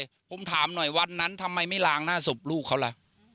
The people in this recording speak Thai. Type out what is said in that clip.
ผมไม่เคยขึ้นไปผมถามหน่อยวันนั้นทำไมไม่ล้างหน้าศพลูกเขาล่ะ